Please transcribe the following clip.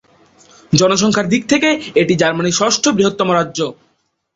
জনসংখ্যার দিক থকে এটি জার্মানির ষষ্ঠ বৃহত্তম রাজ্য।